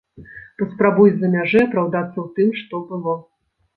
Паспрабуй з-за мяжы апраўдацца ў тым, што было!